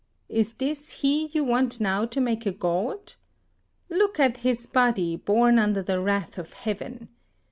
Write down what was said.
Is this he you want now to make a god? Look at his body, born under the wrath of heaven!